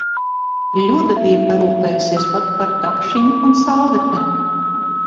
Ļuda bija parūpējusies pat par dakšiņu un salvetēm.